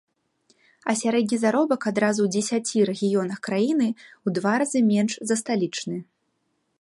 А сярэдні заробак адразу ў дзесяці рэгіёнах краіны ў два разы менш за сталічны.